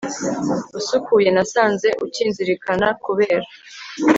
usukuye, nasanze ukinzirikana, kubera